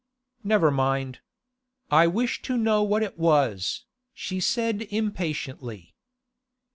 'Never mind. I wish to know what it was,' she said impatiently.